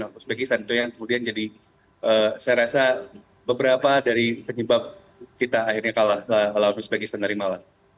dengan uzbekistan itu yang kemudian jadi saya rasa beberapa dari penyebab kita akhirnya kalah lawan uzbekistan dari malam